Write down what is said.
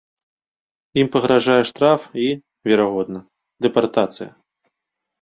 Ім пагражае штраф і, верагодна, дэпартацыя.